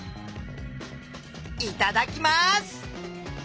いただきます。